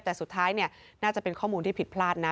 แต่สุดท้ายน่าจะเป็นข้อมูลที่ผิดพลาดนะ